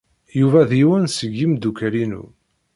Yuba d yiwen seg yimeddukal-inu.